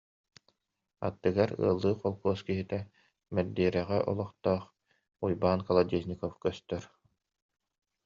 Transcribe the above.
Аттыгар ыаллыы холкуос киһитэ, Мэндиэрэҕэ олохтоох Уйбаан Ко- лодезников көстөр